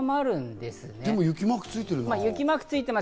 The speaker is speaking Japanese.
でも雪マークついてるな。